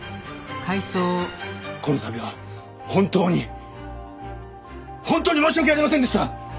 この度は本当に本当に申し訳ありませんでした！